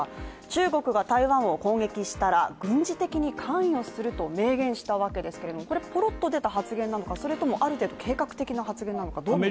中国が台湾を攻撃したら、軍事的に関与すると明言したわけですけれども、ぽろっと出た発言なのかある程度計画的な発言なのか、どっちですか？